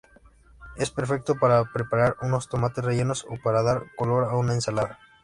Es perfecto para preparar unos tomates rellenos o para dar color a una ensalada.